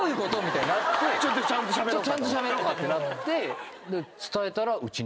「ちゃんとしゃべろうか」ってなって。